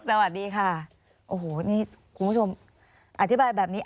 สวัสดีค่ะโอ้โหนี่คุณผู้ชมอธิบายแบบนี้